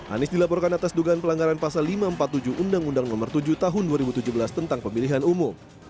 anies dilaporkan atas dugaan pelanggaran pasal lima ratus empat puluh tujuh undang undang nomor tujuh tahun dua ribu tujuh belas tentang pemilihan umum